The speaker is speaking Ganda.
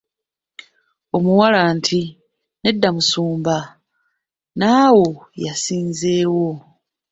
Omuwala nti “nedda musumba n'awo yasinzeewo”.